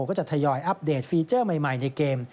ก็จะทยอยอัปเดตฟีเจอร์ใหม่ในเกม